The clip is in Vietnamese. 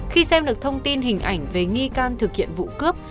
khi xem được thông tin hình ảnh về nghi can thực hiện vụ cướp